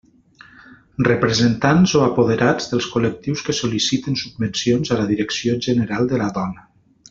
Representants o apoderats dels col·lectius que sol·liciten subvencions a la Direcció General de la Dona.